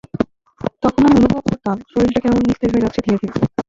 তখন আমি অনুভব করতাম, শরীরটা কেমন যেন নিস্তেজ হয়ে যাচ্ছে ধীরে ধীরে।